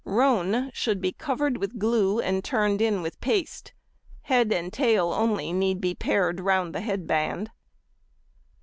|95| Roan should be covered with glue and turned in with paste. Head and tail only need be pared round the head band.